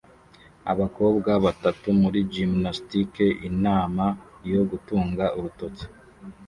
Abakobwa batatu muri gymnastique inama yo gutunga urutoki